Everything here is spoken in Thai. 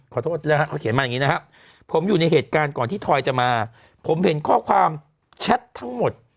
ขอโทษนะฮะเขาเขียนมาอย่างนี้นะครับผมอยู่ในเหตุการณ์ก่อนที่ทอยจะมาผมเห็นข้อความแชททั้งหมด